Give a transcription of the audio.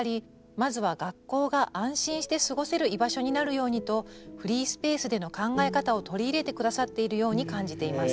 まずは学校が安心して過ごせる居場所になるようにとフリースペースでの考え方を取り入れて下さっているように感じています」。